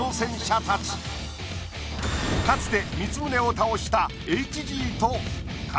かつて光宗を倒した。